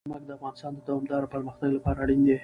نمک د افغانستان د دوامداره پرمختګ لپاره اړین دي.